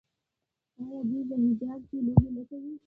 آیا دوی په حجاب کې لوبې نه کوي؟